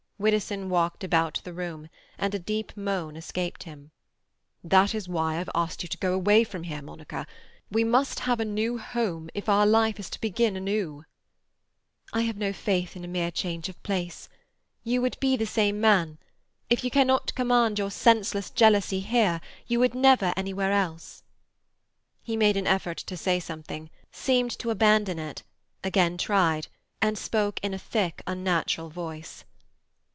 Widdowson walked about the room, and a deep moan escaped him. "That is why I have asked you to go away from here, Monica. We must have a new home if our life is to begin anew." "I have no faith in mere change of place. You would be the same man. If you cannot command your senseless jealousy here, you never would anywhere else." He made an effort to say something; seemed to abandon it; again tried, and spoke in a thick, unnatural voice.